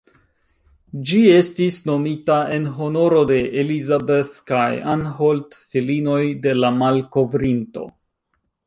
Ĝi estis nomita en honoro de "Elizabeth" kaj "Ann Holt", filinoj de la malkovrinto.